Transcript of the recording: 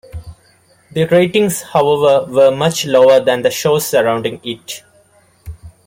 The ratings, however, were much lower than the shows surrounding it.